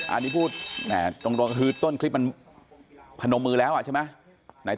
อันนี้พูดตรงก็คือต้นคลิปมันพนมมือแล้วใช่ไหม